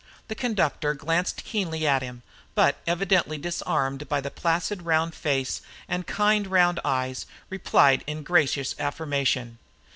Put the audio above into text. The conductor glanced keenly at him, but evidently disarmed by the placid round face and kind round eyes, replied in gracious affirmation.